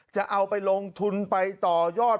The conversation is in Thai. จะเอาไปลงทุนไปต่อยอด